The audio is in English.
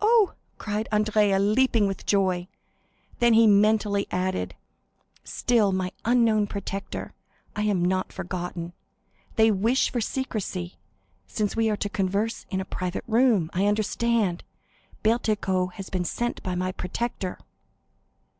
"Oh," cried Andrea, leaping with joy. Then he mentally added,—"Still my unknown protector! I am not forgotten. They wish for secrecy, since we are to converse in a private room. I understand, Bertuccio has been sent by my protector."